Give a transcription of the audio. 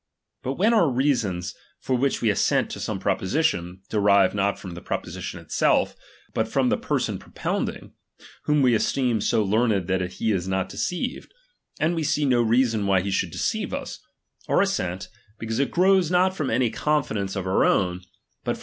But when oar reasons^ for which we assent to some proposition, derive not from the proposition itself, bat from the per~ son propounding, whom we esteem so learned that khe is not deceived, and we see no reason why he should deceive us ; our assent, because it grows RELIGION. 305 not from any confidence of our own, but from chap.